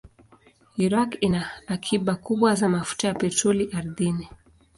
Iraq ina akiba kubwa za mafuta ya petroli ardhini.